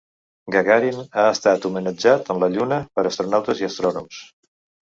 Gagarin ha estat homenatjat en la Lluna per astronautes i astrònoms.